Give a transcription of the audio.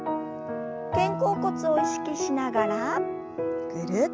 肩甲骨を意識しながらぐるっと。